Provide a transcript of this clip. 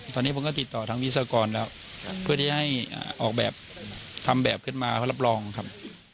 ตอนนี้ผมก็ติดต่อทางวิศวกรแล้วเพื่อที่ให้ออกแบบทำแบบขึ้นมาเพื่อรับรองครับ